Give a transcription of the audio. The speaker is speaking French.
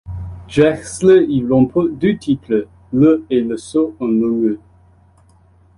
Drechsler y remporte deux titres, le et le saut en longueur.